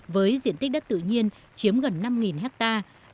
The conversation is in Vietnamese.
với diện tích đất tự nhiên chiếm gần năm hectare